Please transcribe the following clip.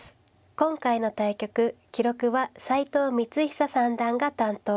今回の対局記録は齋藤光寿三段が担当。